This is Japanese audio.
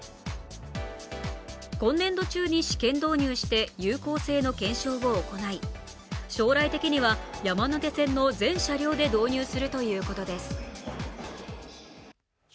今年度中に試験導入して有効性の検証を行い、将来的には山手線の全車両で導入するということです。